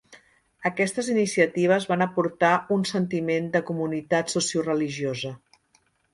Aquestes iniciatives van aportar un sentiment de comunitat socioreligiosa.